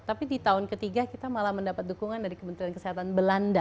tapi di tahun ketiga kita malah mendapat dukungan dari kementerian kesehatan belanda